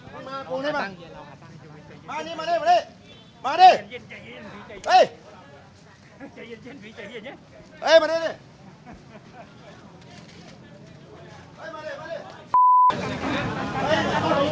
มานี่มานี่มานี่มานี่ใจเย็นใจเย็นเฮ้ย